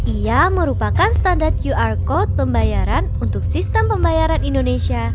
ia merupakan standar qr code pembayaran untuk sistem pembayaran indonesia